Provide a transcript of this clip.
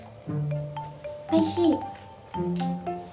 おいしい？